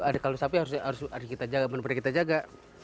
ada kalung sapi harus kita jaga benar benar kita jaga